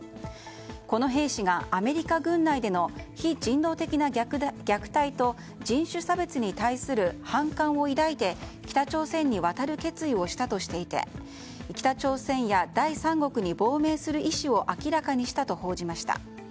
この兵士がアメリカ軍内での非人道的な虐待と人種差別に対する反感を抱いて北朝鮮に渡る決意をしたとしていて北朝鮮や第三国に亡命する意思を明らかにしたと報じました。